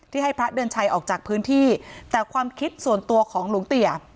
ให้พระเดือนชัยออกจากพื้นที่แต่ความคิดส่วนตัวของหลวงเตี๋ย